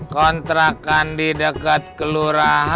kontrakan di deket kelurahan ya